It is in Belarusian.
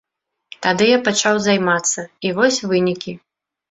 Тады я пачаў займацца, і вось вынікі.